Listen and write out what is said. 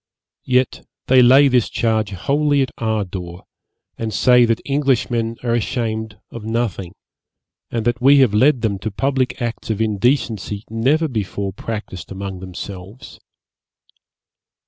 Yet they lay this charge wholly at our door, and say that Englishmen are ashamed of nothing, and that we have led them to public acts of indecency never before practised among themselves.